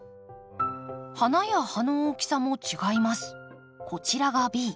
花や葉の大きさも違います。